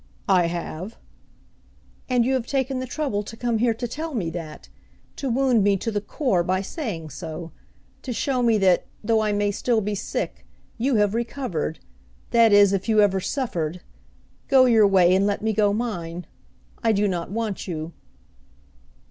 "I have." "And you have taken the trouble to come here to tell me that, to wound me to the core by saying so; to show me that, though I may still be sick, you have recovered, that is if you ever suffered! Go your way and let me go mine. I do not want you."